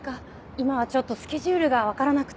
今はちょっとスケジュールが分からなくて。